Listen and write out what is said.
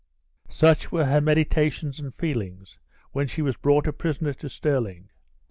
Such were her meditations and feelings, when she was brought a prisoner to Stirling.